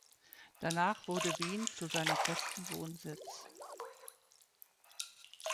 Danach wurde Wien zu seinem festen Wohnsitz.